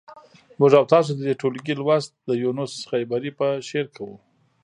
موږ او تاسو د دې ټولګي لوست د یونس خیبري په شعر کوو.